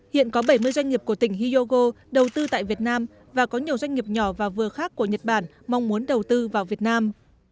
hiện có bảy mươi doanh nghiệp của tỉnh hyogo đầu tư tại việt nam và có nhiều doanh nghiệp nhỏ và vừa khác của nhật bản mong muốn đầu tư vào việt nam